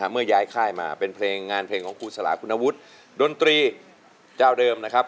เมื่อย้ายค่ายมาเป็นเพลงงานเพลงของครูสลาคุณวุฒิดนตรีเจ้าเดิมนะครับ